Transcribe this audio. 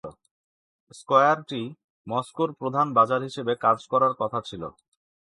স্কয়ারটি মস্কোর প্রধান বাজার হিসেবে কাজ করার কথা ছিল।